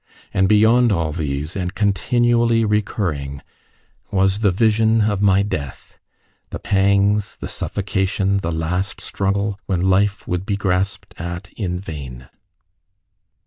And beyond all these, and continually recurring, was the vision of my death the pangs, the suffocation, the last struggle, when life would be grasped at in vain.